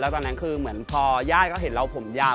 ตอนนั้นคือเหมือนพอญาติเขาเห็นเราผมยาว